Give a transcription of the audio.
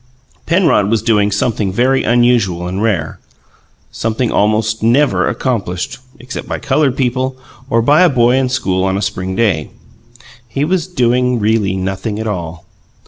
Penrod was doing something very unusual and rare, something almost never accomplished except by coloured people or by a boy in school on a spring day: he was doing really nothing at all.